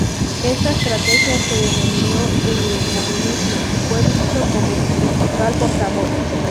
Esta estrategia se denominó Eurocomunismo y fue visto como su principal portavoz.